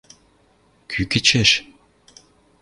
– Кӱ кӹчӹш?